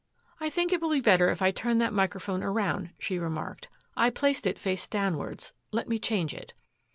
"I think it will be better if I turn that microphone around," she remarked. "I placed it face downwards. Let me change it."